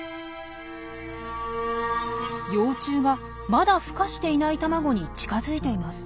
幼虫がまだふ化していない卵に近づいています。